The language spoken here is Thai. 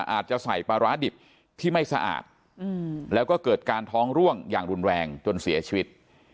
อาจจะใส่ปลาร้าดิบที่ไม่สะอาดแล้วก็เกิดการท้องร่วงอย่างรุนแรงจนเสียชีวิต